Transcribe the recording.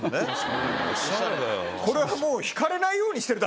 これはもう。